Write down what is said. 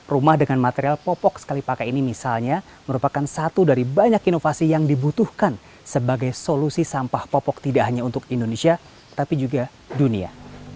rumah dengan material popok sekali pakai ini misalnya merupakan satu dari banyak inovasi yang dibutuhkan sebagai solusi sampah popok tidak hanya untuk indonesia tapi juga dunia